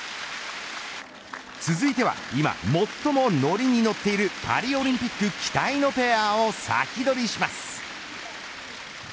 続いては今、最ものりにのっているパリオリンピック期待のペアをサキドリします。